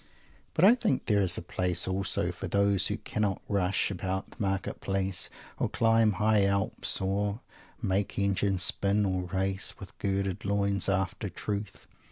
But I think there is a place also for those who cannot rush about the market place, or climb high Alps, or make engines spin, or race, with girded loins, after "Truth."